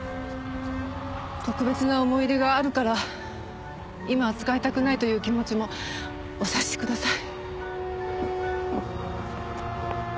特別な思い入れがあるから今は使いたくないという気持ちもお察しください。